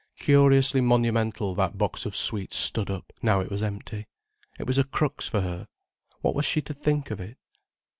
Curiously monumental that box of sweets stood up, now it was empty. It was a crux for her. What was she to think of it?